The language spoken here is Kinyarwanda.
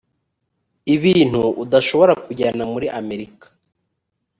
ibintu udashobora kujyana muri amerika